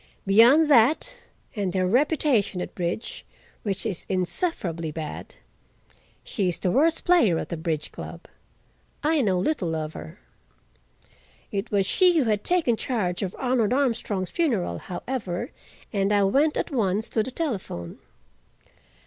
Beyond that, and her reputation at bridge, which is insufferably bad—she is the worst player at the bridge club—I know little of her. It was she who had taken charge of Arnold Armstrong's funeral, however, and I went at once to the telephone.